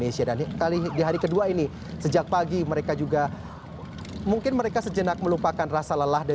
selamat pagi juga mas